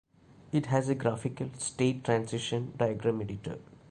It has a graphical state-transition diagram editor.